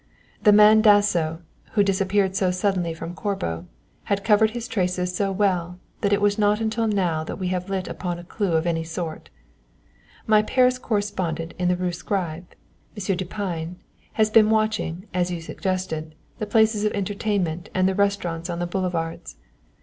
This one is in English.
The man Dasso, who disappeared so suddenly from Corbo, had covered his traces so well that it was not until now that we have lit upon a clue of any sort._ "_My Paris correspondent in the Rue Scribe, M. Dupine, has been watching, as you suggested, the places of entertainment and the restaurants on the boulevards.